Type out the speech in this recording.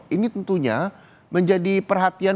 ini tentunya menjadi perhatian